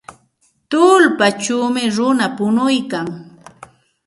Tullpawmi runa punuykan.